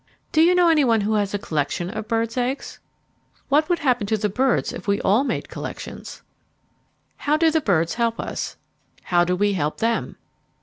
Do you know any one who has a collection of birds' eggs? What would happen to the birds if we all made collections? How do birds help us? How do we help them?